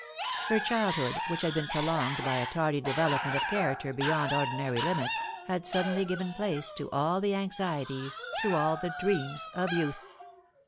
Her childhood, which had been prolonged by a tardy development of character be yond ordinary limits, had suddenly given place to all tlie anxieties, to all the dreams of youth.